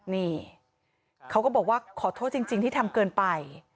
นี่เขาก็บอกว่าขอโทษจริงที่ทำเกินไป